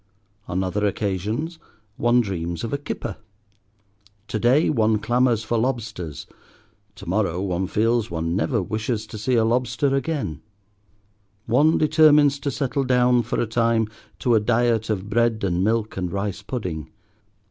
On other occasions one dreams of a kipper. To day one clamours for lobsters. To morrow one feels one never wishes to see a lobster again; one determines to settle down, for a time, to a diet of bread and milk and rice pudding.